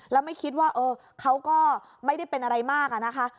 แล้วไม่คิดว่าเออเขาก็ไม่ได้เป็นอะไรมากอะนะคะ